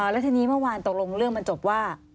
แล้วทีนี้เมื่อวานตกลงเรื่องมันจบว่า